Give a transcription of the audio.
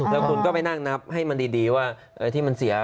แล้วคุณก็ไปนั่งนับให้มันดีว่าอะไรที่มันเสีย